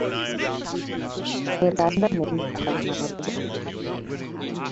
Miranda means admirable.